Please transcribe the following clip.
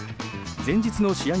前日の試合